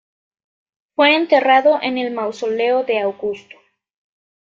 Fue enterrado en el Mausoleo de Augusto.